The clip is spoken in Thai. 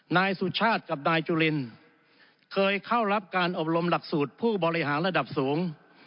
นายสุชาติกับนายจุลินเคยเข้ารับการอบรมหลักสูตรผู้บริหารระดับสูง